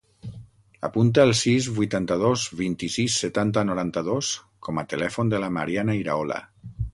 Apunta el sis, vuitanta-dos, vint-i-sis, setanta, noranta-dos com a telèfon de la Mariana Iraola.